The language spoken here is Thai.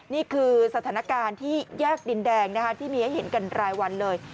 นี่คือสถานการณ์ที่แยกดินแดงนะคะที่มีให้เห็นกันรายวันเลย